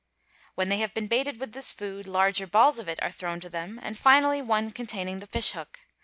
When they have been baited — with this food, larger balls of it are thrown to them and finally one —~ containing the fishhook.